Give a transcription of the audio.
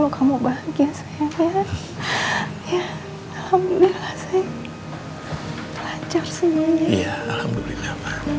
kamu bahagia sayangnya ya alhamdulillah sayang lancar senyumnya alhamdulillah